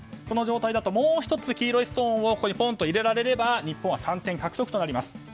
この状態だと、もう１つ黄色いストーンを入れられれば日本は３点獲得となります。